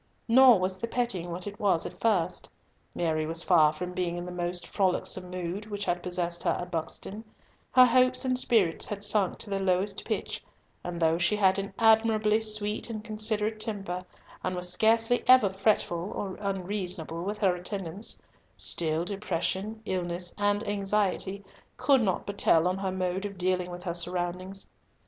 Nor was the petting what it was at first. Mary was far from being in the almost frolicsome mood which had possessed her at Buxton; her hopes and spirits had sunk to the lowest pitch, and though she had an admirably sweet and considerate temper, and was scarcely ever fretful or unreasonable with her attendants, still depression, illness, and anxiety could not but tell on her mode of dealing with her surroundings.